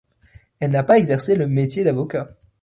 Elle n'a pas exercé le métier d'avocat.